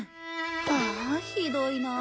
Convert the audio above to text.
ああひどいなあ。